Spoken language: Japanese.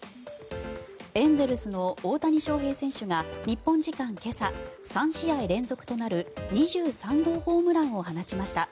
エンゼルスの大谷翔平選手が日本時間今朝３試合連続となる２３号ホームランを放ちました。